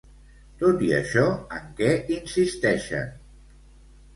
Tot i això, en què insisteixen?